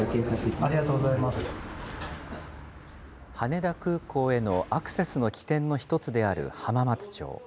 羽田空港へのアクセスの起点の一つである浜松町。